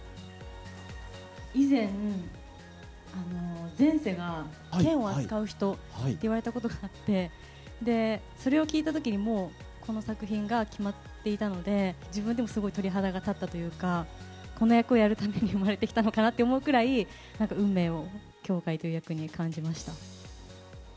以前、前世が剣を扱う人って言われたことがあって、それを聞いたときに、もうこの作品が決まっていたので、自分でもすごい鳥肌が立ったというか、この役をやるために生まれてきたのかなって思うくらい、なんか運命を、羌かいという役に感じました。